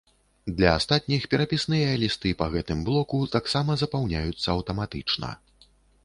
Для астатніх перапісныя лісты па гэтым блоку таксама запоўняцца аўтаматычна.